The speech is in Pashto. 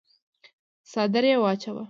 څادر يې واچاوه.